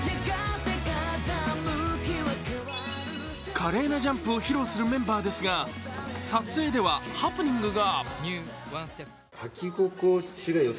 華麗なジャンプを披露するメンバーですが撮影ではハプニングが。